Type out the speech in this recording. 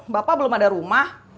bapak belum ada rumah